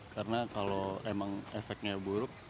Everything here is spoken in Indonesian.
karena kalau emang efeknya buruk